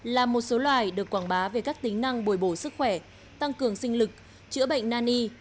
là một số loài được quảng bá về các tính năng bồi bổ sức khỏe tăng cường sinh lực chữa bệnh nan y